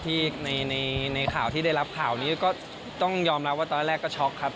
ที่ในข่าวที่ได้รับข่าวนี้ก็ต้องยอมรับว่าตอนแรกก็ช็อกครับ